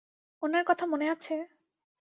ওনার কথা মনে আছে?